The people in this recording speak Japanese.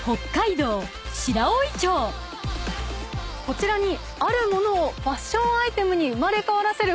こちらに。